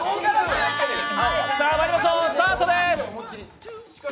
まいりましょう、スタートです。